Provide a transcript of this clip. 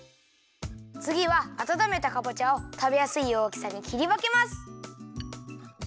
つぎはあたためたかぼちゃをたべやすいおおきさにきりわけます。